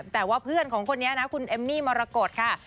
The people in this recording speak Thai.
แต่ว่าเพื่อนของคนนี้นะคุณเอมมี่มรกฏค่ะ